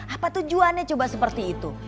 apa tujuannya coba seperti itu